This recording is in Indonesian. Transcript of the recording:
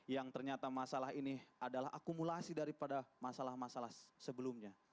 yang ternyata masalah ini adalah akumulasi daripada masalah masalah sebelumnya